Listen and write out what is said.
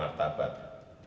yang adil dan yang bermartabat